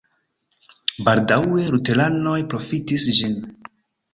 Baldaŭe luteranoj profitis ĝin.